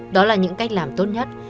đó là những cách làm tốt nhất